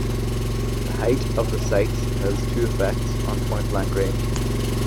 The height of the sights has two effects on point blank range.